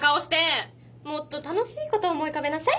もっと楽しいことを思い浮かべなさい。